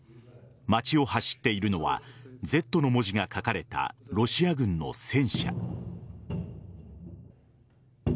街を走っているのはＺの文字が書かれたロシア軍の戦車。